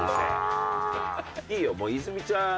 いいよ。